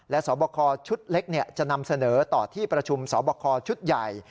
และสอบคอชุดเล็กจะนำเสนอต่อที่ประชุมสอบคอชุดใหญ่